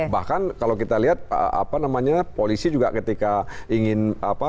bahkan kalau kita lihat polisi juga ketika ingin